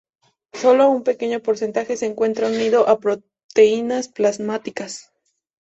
Solo un pequeño porcentaje se encuentra unido a proteínas plasmáticas.